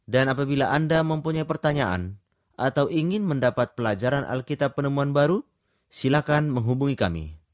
dan apabila anda mempunyai pertanyaan atau ingin mendapat pelajaran alkitab penemuan baru silakan menghubungi kami